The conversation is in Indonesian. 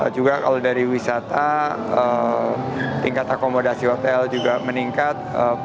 juga kalau dari wisata tingkat akomodasi hotel juga meningkat